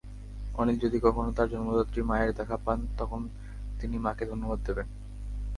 অনিল যদি কখনো তাঁর জন্মদাত্রী মায়ের দেখা পান, তখন তিনি মাকে ধন্যবাদ দেবেন।